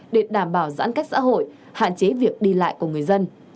để đảm bảo giãn cách xã hội hạn chế việc đi lại của người dân